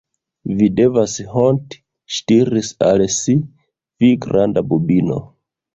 "Vi devas honti," ŝi diris al si, "vi granda bubino!"